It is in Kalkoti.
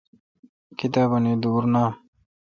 کتابونی دور نام۔